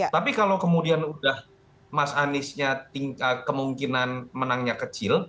tapi kalau kemudian udah mas aniesnya kemungkinan menangnya kecil